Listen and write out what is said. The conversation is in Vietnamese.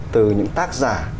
từ những tác giả